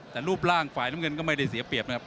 แต่รูปร่างฝ่ายน้ำเงินก็ไม่ได้เสียเปรียบนะครับ